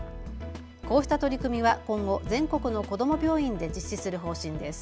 こうした取り組みは今後、全国の子ども病院で実施する方針です。